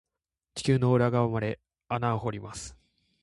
地球の裏側まで穴掘ります。